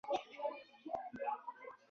سیاست له منځه یوسي